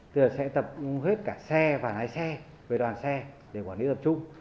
giờ sẽ tập trung hết cả xe và lái xe về đoàn xe để quản lý tập trung